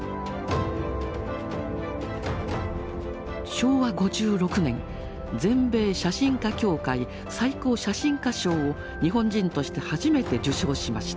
昭和５６年全米写真家協会最高写真家賞を日本人として初めて受賞しました。